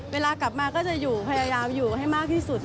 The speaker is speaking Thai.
เราก็จะอยู่พยายามอยู่ให้มากที่สุด